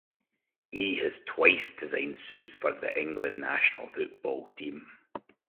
He has twice designed suits for the England national football team.